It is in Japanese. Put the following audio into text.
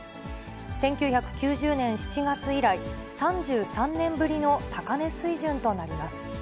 １９９０年７月以来、３３年ぶりの高値水準となります。